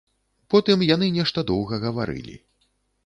Потым яны нешта доўга гаварылі.